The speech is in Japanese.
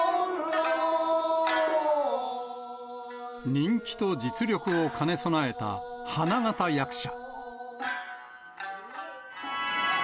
人気と実力を兼ね備えた花形役者。